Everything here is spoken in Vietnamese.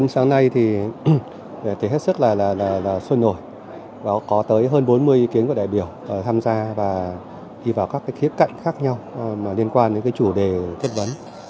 hôm nay thì hết sức là xuân nổi có tới hơn bốn mươi ý kiến của đại biểu tham gia và đi vào các khía cạnh khác nhau liên quan đến chủ đề thuyết vấn